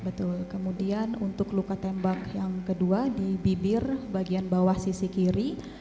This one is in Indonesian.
betul kemudian untuk luka tembak yang kedua di bibir bagian bawah sisi kiri